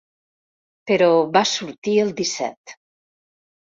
Però va sortir el disset.